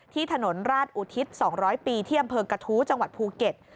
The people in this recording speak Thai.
ถนนราชอุทิศ๒๐๐ปีที่อำเภอกระทู้จังหวัดภูเก็ต